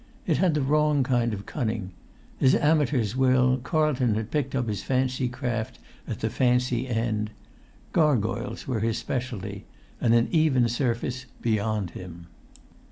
It had the wrong kind of cunning: as amateurs will, Carlton had picked up his fancy craft at the fancy end: gargoyles were his specialty, and an even surface beyond him.